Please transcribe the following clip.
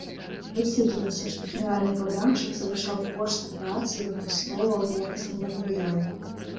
Высветлілася, што генеральны падрадчык завышаў кошты працы і выкарыстоўваў няякасныя матэрыялы.